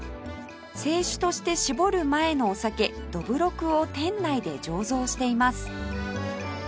清酒として絞る前のお酒どぶろくを店内で醸造しています